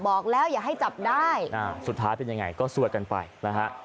บอกแล้วอย่าให้จับได้สุดท้ายเป็นยังไงก็ซวดกันไปนะฮะ